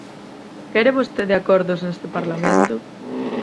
¿Quere vostede acordos neste Parlamento?